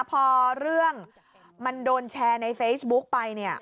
พอเรื่องมันโดนแชร์ในเฟซบุ๊กไปเนี่ย